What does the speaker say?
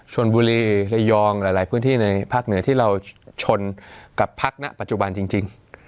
บุรีระยองหลายพื้นที่ในภาคเหนือที่เราชนกับพักณปัจจุบันจริง